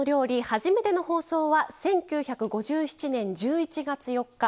初めての放送は１９５７年１１月４日。